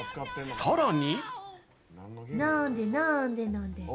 さらに。